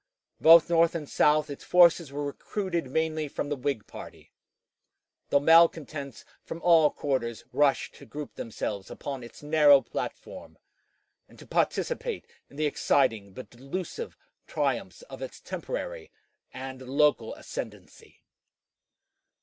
Both North and South its forces were recruited mainly from the Whig party, though malcontents from all quarters rushed to group themselves upon its narrow platform, and to participate in the exciting but delusive triumphs of its temporary and local ascendency.